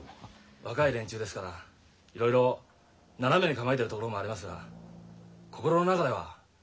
若い連中ですからいろいろ斜めに考えてるところもありますが心の中では先生に感謝しているはずです。